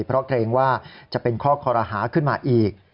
เพราะเกรงว่าจะเป็นข้อคอรหาขึ้นมาอีก